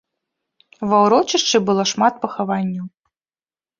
Ва ўрочышчы было шмат пахаванняў.